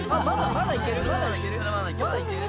まだいける？